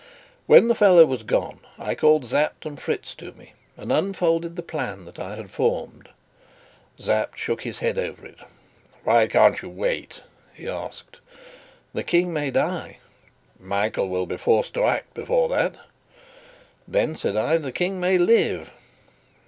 When the fellow was gone, I called Sapt and Fritz to me, and unfolded the plan that I had formed. Sapt shook his head over it. "Why can't you wait?" he asked. "The King may die." "Michael will be forced to act before that." "Then," said I, "the King may live."